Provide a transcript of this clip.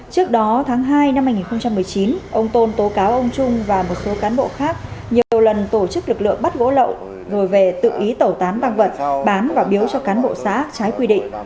trước đó tháng hai năm hai nghìn một mươi chín ông tôn tố cáo ông trung và một số cán bộ khác nhiều lần tổ chức lực lượng bắt gỗ lậu rồi về tự ý tẩu tán tăng vật bán và biếu cho cán bộ xã trái quy định